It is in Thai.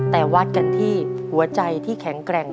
แต่วัดกันที่หัวใจที่แข็งแกร่ง